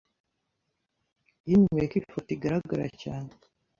Yinubiye ko ifoto igaragara cyane.